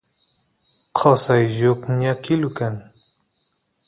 qosay lluqñakilu kan